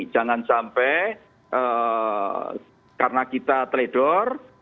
jangan sampai karena kita trader